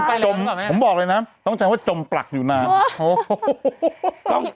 จมผมบอกเลยนะต้องใช้ว่าจมปลักอยู่นาน